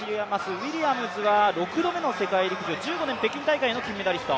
ウィリアムズは６度目の世界陸上、１５年北京大会の金メダリスト。